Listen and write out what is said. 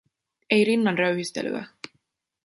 Ei rinnan röyhistelyä.